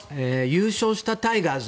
優勝したタイガース